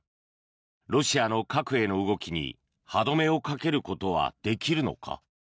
ロシアの核への動きに歯止めをかけることはできるのか。